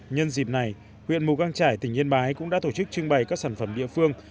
nhân dịp này huyện mù căng trải tỉnh yên bái cũng đã tổ chức trưng bày các sản phẩm địa phương